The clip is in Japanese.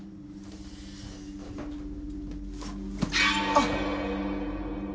あっ！？